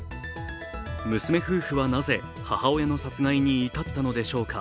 娘夫婦はなぜ母親の殺害に至ったのでしょうか。